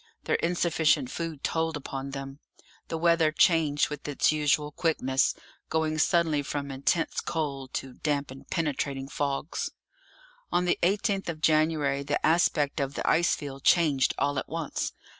Their insufficient food told upon them. The weather changed with its usual quickness, going suddenly from intense cold to damp and penetrating fogs. On the 18th of January the aspect of the ice field changed all at once.